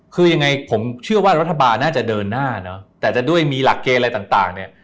คือยังไงผมเชื่อว่ารัฐบาลน่าจะเดินหน้าเนอะแต่จะด้วยมีหลักเกณฑ์อะไรต่างเนี่ย